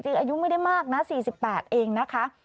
อายุไม่ได้มากนะ๔๘เองนะคะ